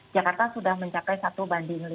jakarta sudah mencapai satu banding lima belas enam